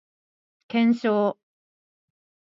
検証